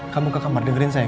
kamu ke kamar dengerin saya